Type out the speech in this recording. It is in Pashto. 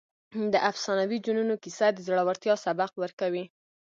د افسانوي جنونو کیسه د زړورتیا سبق ورکوي.